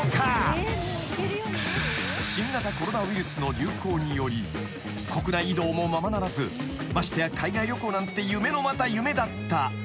［新型コロナウイルスの流行により国内移動もままならずましてや海外旅行なんて夢のまた夢だったこの２年］